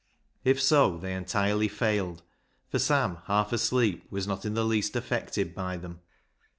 If so, they entirely failed, for Sam, half asleep, was not in the least affected by them.